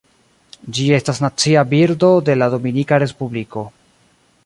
Ĝi estas Nacia birdo de la Dominika Respubliko.